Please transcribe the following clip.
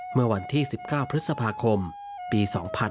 เมื่อวันที่๑๙พฤษภาคมปี๒๕๕๙